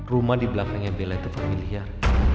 rumah di belakangnya bella itu pemilihan